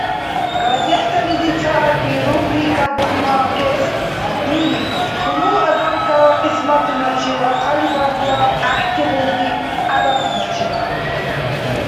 Газетализи ца гьатӀи рубрика бухӀнакаэс вири — хьунул адамтала кьисматуначила, хъалибаргла гӀяхӀтигъунти гӀядатуначила.